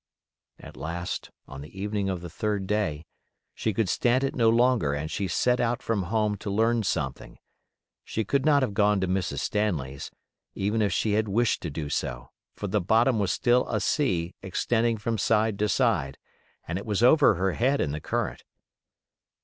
At last, on the evening of the third day, she could stand it no longer, and she set out from home to learn something; she could not have gone to Mrs. Stanley's, even if she had wished to do so; for the bottom was still a sea extending from side to side, and it was over her head in the current.